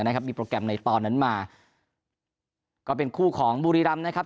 นะครับมีโปรแกรมในตอนนั้นมาก็เป็นคู่ของบุรีรำนะครับ